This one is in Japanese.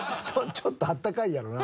ちょっと温かいやろな。